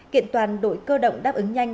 kiện toàn đội cơ động đáp ứng nhanh